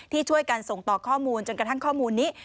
ที่ช่วยกันส่งต่อข้อมูลจนกระทั่งข้อมูลนี้